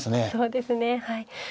そうですねはい。